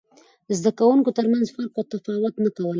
د زده کوونکو ترمنځ فرق او تفاوت نه کول.